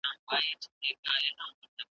د مغان د پیر وصیت مي دی په غوږ کي .